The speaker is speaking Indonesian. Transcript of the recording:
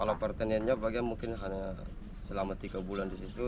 kalau pertaniannya bagian mungkin hanya selama tiga bulan di situ